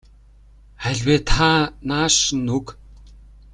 Аль вэ та нааш нь өг.